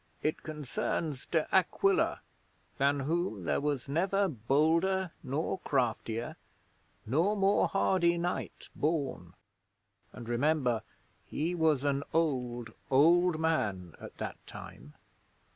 'It concerns De Aquila, than whom there was never bolder nor craftier, nor more hardy knight born. And remember he was an old, old man at that time.'